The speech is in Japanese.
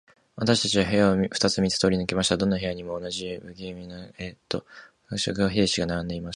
私たちは部屋を二つ三つ通り抜けましたが、どの部屋にも、同じような無気味な恰好の兵士が並んでいました。